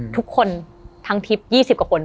ทุกคนทั้งทิพย์๒๐กว่าคน